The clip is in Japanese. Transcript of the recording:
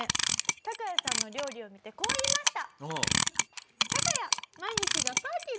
タカヤさんの料理を見てこう言いました。